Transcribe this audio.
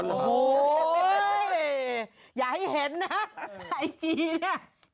อย่าให้เห็นนะไอจีน่ะ